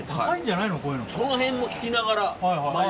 その辺も聞きながら。